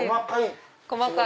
細かい。